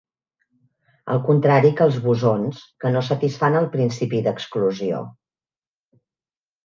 Al contrari que els bosons, que no satisfan el principi d'exclusió